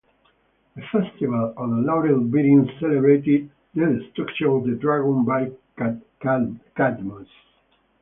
The Festival of the Laurel-bearing celebrated the destruction of the dragon by Cadmus.